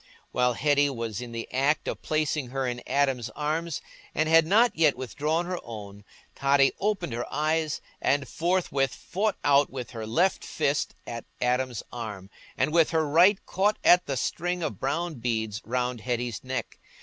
While Hetty was in the act of placing her in Adam's arms, and had not yet withdrawn her own, Totty opened her eyes, and forthwith fought out with her left fist at Adam's arm, and with her right caught at the string of brown beads round Hetty's neck.